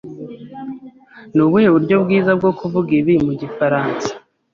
Nubuhe buryo bwiza bwo kuvuga ibi mu gifaransa?